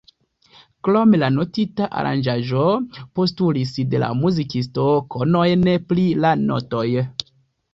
Krome la notita aranĝaĵo postulis de la muzikisto konojn pri la notoj.